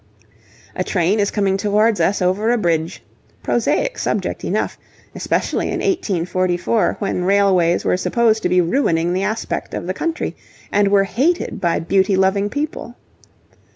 A train is coming towards us over a bridge, prosaic subject enough, especially in 1844, when railways were supposed to be ruining the aspect of the country and were hated by beauty loving people.